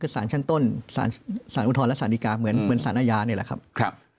คือสารชั้นต้นสารอุทธรณและสารดีกาเหมือนสารอาญานี่แหละครับ